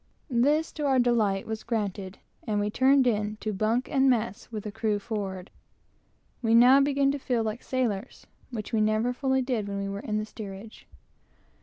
This, to our delight, was granted, and we turned in to bunk and mess with the crew forward. We now began to feel like sailors, which we never fully did when we were in the steerage.